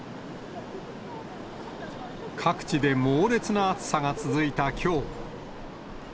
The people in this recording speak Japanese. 各地で猛烈な暑さが続いたきょう。